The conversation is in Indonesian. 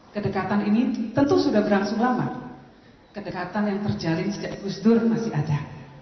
kedekatan ini tentu sudah berlangsung lama kedekatan yang terjalin sejak gus dur masih ada